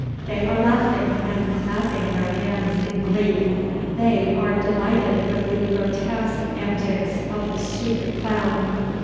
They are laughing and clapping their hands in glee. They are delighted with the grotesque antics of the stupid clown.